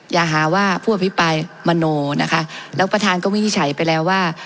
อย่าหาว่าผู้อภิปรายมโนนะคะแล้วประธานก็วินิจฉัยไปแล้วว่า